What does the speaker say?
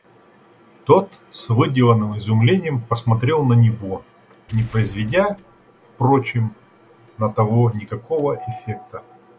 Тот с выделанным изумлением посмотрел на него, не произведя, впрочем, на того никакого эффекта.